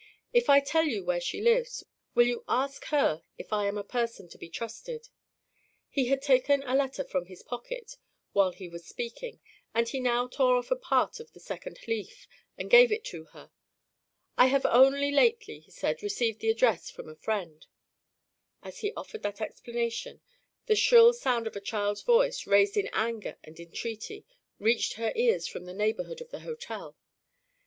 If I tell you where she lives, will you ask her if I am a person to be trusted?" He had taken a letter from his pocket, while he was speaking; and he now tore off a part of the second leaf, and gave it to her. "I have only lately," he said, "received the address from a friend." As he offered that explanation, the shrill sound of a child's voice, raised in anger and entreaty, reached their ears from the neighborhood of the hotel.